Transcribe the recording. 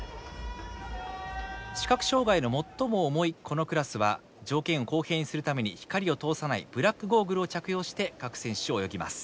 視覚障害の最も重いこのクラスは条件を公平にするために光を通さないブラックゴーグルを着用して各選手泳ぎます。